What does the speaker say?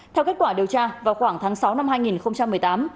theo kết quả điều tra vào khoảng tháng sáu năm hai nghìn một mươi tám